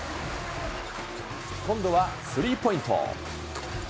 今度はスリーポイント。